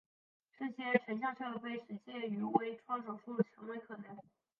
这些成像设备使介入微创手术成为可能。